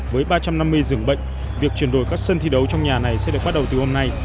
với ba trăm năm mươi giường bệnh việc chuyển đổi các sân thi đấu trong nhà này sẽ được bắt đầu từ hôm nay